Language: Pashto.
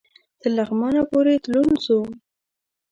تر لغمانه پوري تلون سو